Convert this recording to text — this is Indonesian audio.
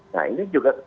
nah ini juga